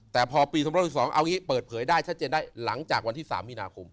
แต่พอปี๒๐๑๒เอาอย่างนี้เปิดเผยได้ชัดเจนได้หลังจากวันที่๓มีนาคม